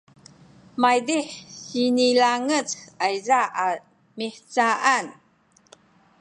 maydih sinilangec ayza a mihcaan